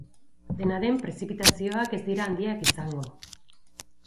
Dena den, prezipitazioak ez dira handiak izango.